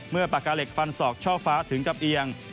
ปากกาเหล็กฟันศอกช่อฟ้าถึงกับเอียง